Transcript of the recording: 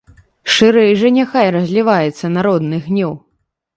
Шырэй жа няхай разліваецца народны гнеў!